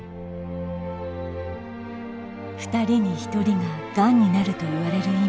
２人に１人ががんになるといわれる今。